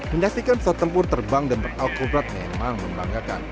mendastikan pesawat tempur terbang dan beralkoholat memang membanggakan